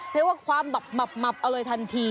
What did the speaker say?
เรียกว่าความมับอร่อยทันที